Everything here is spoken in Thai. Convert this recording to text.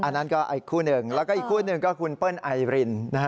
อันนั้นก็อีกคู่หนึ่งแล้วก็อีกคู่หนึ่งก็คุณเปิ้ลไอริน